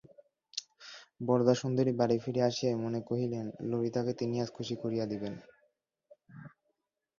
বরদাসুন্দরী বাড়ি ফিরিয়া আসিয়াই মনে করিলেন, ললিতাকে তিনি আজ খুশি করিয়া দিবেন।